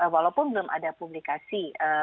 walaupun belum ada publikasi